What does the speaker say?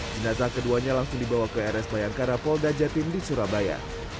jenazah keduanya langsung dibawa ke rs bayangkara polda jatim di surabaya